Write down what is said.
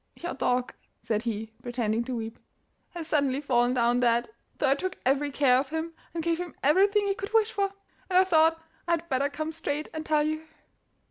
'Your dog,' said he, pretending to weep, 'has suddenly fallen down dead, though I took every care of him, and gave him everything he could wish for. And I thought I had better come straight and tell you.